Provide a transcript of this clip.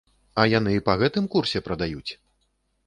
А яны па гэтым курсе прадаюць?